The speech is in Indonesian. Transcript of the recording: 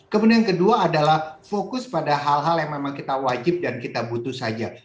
kemudian yang kedua adalah fokus pada hal hal yang memang kita wajib dan kita butuh saja